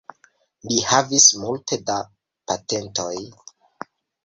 Li havis multe da patentoj.